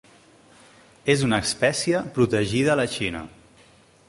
És una espècie protegida a la Xina.